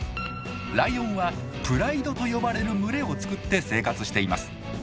ライオンは「プライド」と呼ばれる群れを作って生活しています。